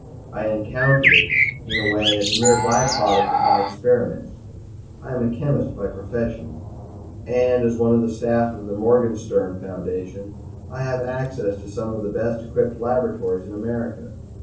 I encountered it, in a way, as a mere by product of my experiments; I am a chemist by profession, and as one of the staff of the Morganstern Foundation have access to some of the best equipped laboratories in America.